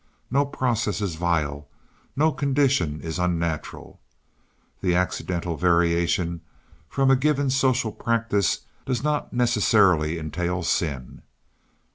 No process is vile, no condition is unnatural. The accidental variation from a given social practice does not necessarily entail sin.